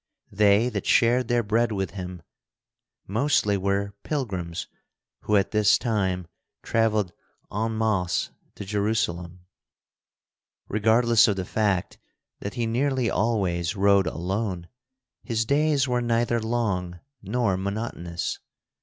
They that shared their bread with him mostly were pilgrims who at this time traveled en masse to Jerusalem. Regardless of the fact that he nearly always rode alone, his days were neither long nor monotonous.